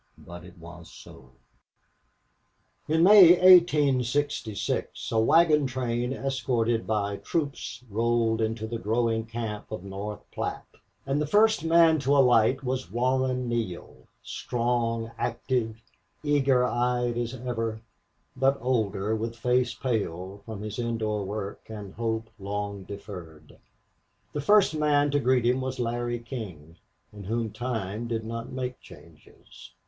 But it was so. In May, 1866, a wagon train escorted by troops rolled into the growing camp of North Platte, and the first man to alight was Warren Neale, strong, active, eager eyed as ever, but older and with face pale from his indoor work and hope long deferred. The first man to greet him was Larry King, in whom time did not make changes.